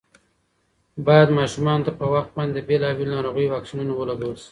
باید ماشومانو ته په وخت باندې د بېلابېلو ناروغیو واکسینونه ولګول شي.